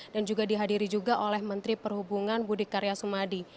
dan juga dihadiri juga oleh menteri perhubungan budi karya sumadi